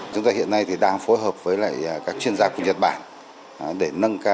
chúng ta hiện nay thì đang phối hợp với các chuyên gia của nhật bản